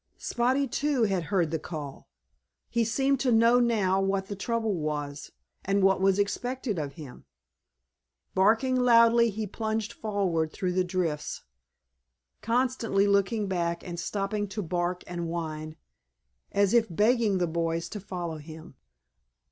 Spotty too had heard the call. He seemed to know now what the trouble was, and what was expected of him. Barking loudly he plunged forward through the drifts, constantly looking back and stopping to bark and whine, as if begging the boys to follow him.